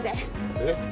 えっ？